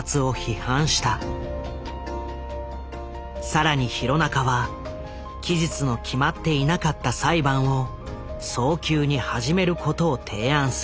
更に弘中は期日の決まっていなかった裁判を早急に始めることを提案する。